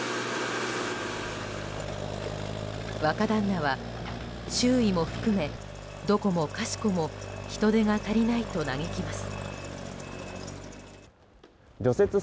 若旦那は、周囲も含めどこもかしこも人手が足りないと嘆きます。